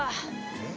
えっ？